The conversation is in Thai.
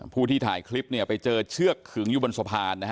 พูดที่ถ่ายคลิปไปเจอเชือกขึงอยู่บนสะพาน